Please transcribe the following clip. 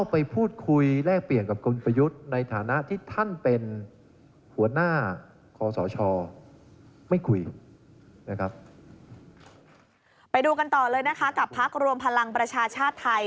ไปดูกันต่อเลยนะคะกับพักรวมพลังประชาชาติไทย